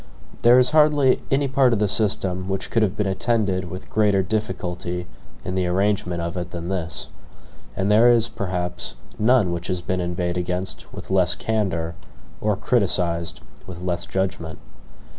There is hardly any part of the system which could have been attended with greater difficulty in the arrangement of it than this; and there is, perhaps, none which has been inveighed against with less candor or criticised with less judgment.